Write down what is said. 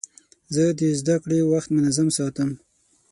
زه د زدهکړې وخت منظم ساتم.